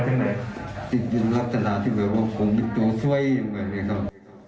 ติดยืนรักษณะที่เหลือว่าคงมีตัวสวยยังไงครับ